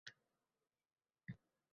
Taxta oʻgʻrilari qoʻlga tushdi.